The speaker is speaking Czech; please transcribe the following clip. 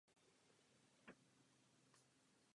V dětství se naučil anglicky a německy.